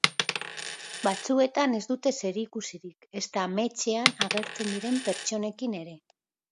Batzuetan ez dute zerikusirik ezta ametsean agertzen diren pertsonekin ere.